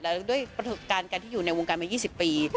แล้วด้วยประถึกการณ์การที่อยู่ในวงการมา๒๐ปี